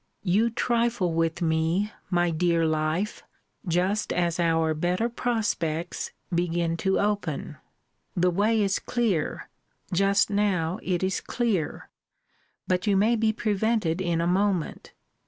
You trifle with me, my dear life, just as our better prospects begin to open. The way is clear; just now it is clear; but you may be prevented in a moment.